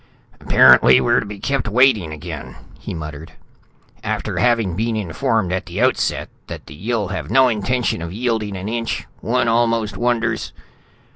"Apparently we're to be kept waiting again," he muttered. "After having been informed at the outset that the Yill have no intention of yielding an inch, one almost wonders...."